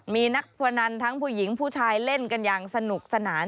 มีนักพนันทั้งผู้หญิงผู้ชายเล่นกันอย่างสนุกสนาน